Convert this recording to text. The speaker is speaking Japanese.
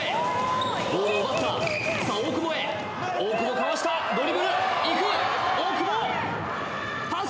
大久保へ大久保かわしたドリブルいく大久保パス